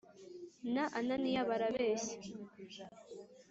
na Ananiya barabeshye